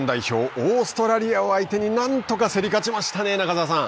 オーストラリアを相手になんとか競り勝ちましたね中澤さん。